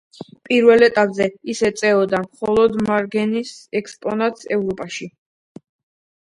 პირველ ეტაპზე ის ეწეოდა მხოლოდ მარგანეცის ექსპორტს ევროპაში.